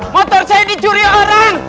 motor saya dicuri orang